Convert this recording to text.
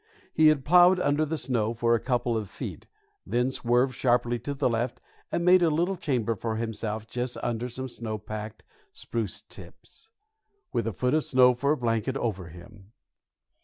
He had ploughed under the snow for a couple of feet, then swerved sharply to the left and made a little chamber for himself just under some snow packed spruce tips, with a foot of snow for a blanket over him.